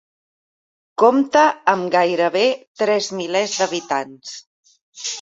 Compta amb gairebé tres milers d'habitants.